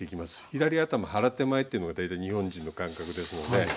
左頭腹手前というのが大体日本人の感覚ですので。